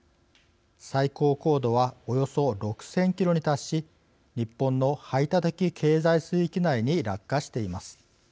最高高度はおよそ６０００キロに達し日本の排他的経済水域内に落下しています。